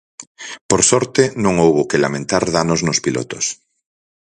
Por sorte, non houbo que lamentar danos nos pilotos.